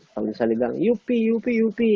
kalau misalnya bang yupi yupi yupi